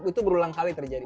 itu berulang kali terjadi